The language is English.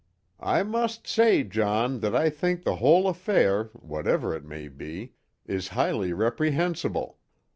"I must say, John, that I think the whole affair, whatever it may be, is highly reprehensible.